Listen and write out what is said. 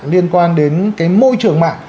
liên quan đến cái môi trường này